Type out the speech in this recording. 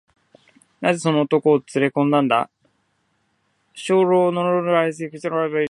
「なぜその男をつれこんだんだ？小路をのろのろ歩いているやつは、みんなつれこんでいいのか？」